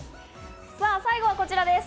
最後はこちらです。